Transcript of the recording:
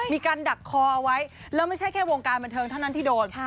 มีการดักคอเอาไว้แล้วไม่ใช่แค่วงการบันเทิงเท่านั้นที่โดน